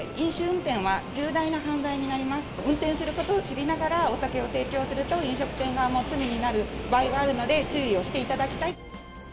運転することを知りながらお酒を提供すると、飲食店側も罪になる場合があるので、注意をしていただきたい。